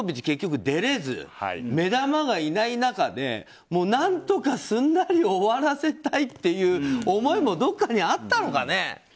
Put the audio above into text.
結局出れず目玉がいない中で何とかすんなり終わらせたいという思いもどこかにあったのかね。